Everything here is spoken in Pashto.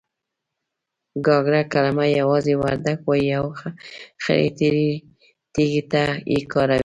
گاگره کلمه يوازې وردگ وايي او خړې تيږې ته يې کاروي.